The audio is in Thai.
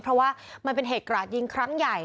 เพราะว่ามันเป็นเหตุกราดยิงครั้งใหญ่